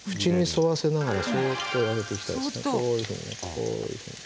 こういうふうに。